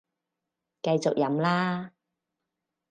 繼續飲啦